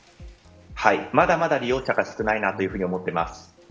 まだまだ利用者が少ないと思っています。